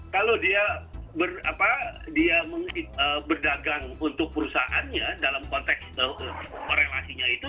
kalau dia berdagang untuk perusahaannya dalam konteks korelasinya itu